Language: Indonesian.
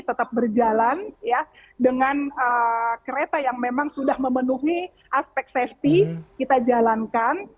tetap berupaya pelayanan ini tetap berjalan ya dengan kereta yang memang sudah memenuhi aspek safety kita jalankan